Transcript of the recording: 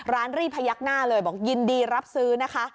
รีบพยักหน้าเลยบอกยินดีรับซื้อนะคะ